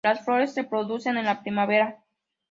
Las flores se producen en la primavera.